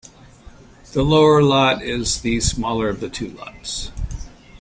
The Lower Lot is the smaller of the two lots.